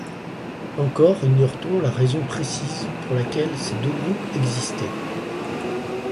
Encore ignore-t-on la raison précise pour laquelle ces deux groupes existaient.